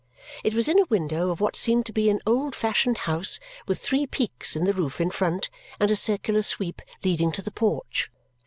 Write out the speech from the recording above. It was in a window of what seemed to be an old fashioned house with three peaks in the roof in front and a circular sweep leading to the porch.